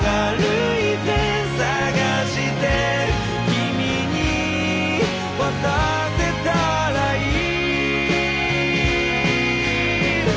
「君に渡せたらいい」